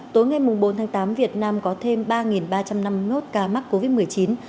tối ngày bốn tháng tám việt nam có thêm ba ba trăm năm mươi một ca mắc covid một mươi chín